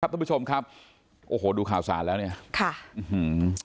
ทุกผู้ชมครับโอ้โหดูข่าวสารแล้วเนี่ยค่ะอื้อหือ